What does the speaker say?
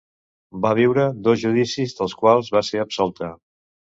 Va viure dos judicis, dels quals va ser absolta.